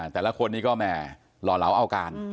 แต่ละคนนี้ก็แหมหล่อเหลาเอาการ